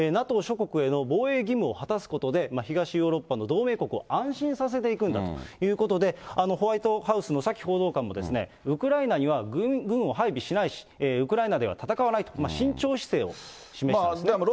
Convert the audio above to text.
ＮＡＴＯ諸国への防衛義務を果たすことで、東ヨーロッパの同盟国を安心させていくんだということで、ホワイトハウスのサキ報道官も、ウクライナには軍を配備しないし、ウクライナでは戦わないと、慎重姿勢を示しているんですね。